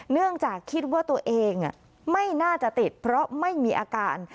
เนื่องจากคิดว่าตัวเองไม่น่าจะติดเพราะไม่มีอาการ